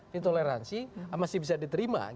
ditoleransi masih bisa diterima